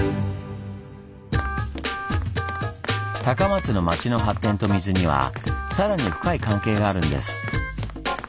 高松の町の発展と水にはさらに深い関係があるんです。